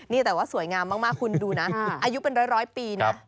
นี่แต่ว่าสวยงามมากคุณดูนะอายุเป็นร้อยปีนะ